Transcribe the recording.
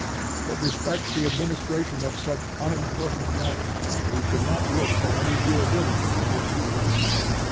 It respects the administration of such unimportant matters, that we should not look for any durability in its rule.